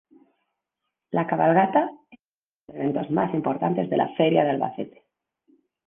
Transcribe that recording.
La Cabalgata es uno de los eventos más importantes de la Feria de Albacete.